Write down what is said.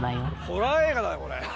ホラー映画だねこれ。